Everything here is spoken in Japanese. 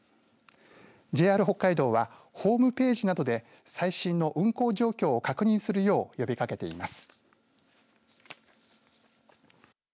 ＪＲ北海道はホームページなどで最新の運行状況を確認するよう呼びかけています。